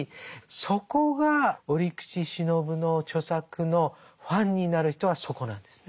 そこが折口信夫の著作のファンになる人はそこなんですね。